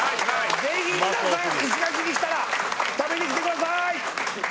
ぜひ皆さん石垣に来たら食べに来てください！